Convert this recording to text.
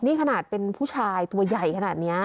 นี่ขนาดเป็นผู้ชายตัวใหญ่ขนาดนี้